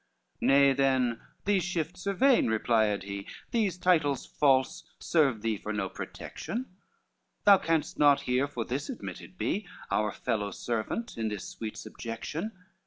"Nay, then, these shifts are vain," replied he, "These titles false serve thee for no protection, Thou canst not here for this admitted be Our fellow servant, in this sweet subjection."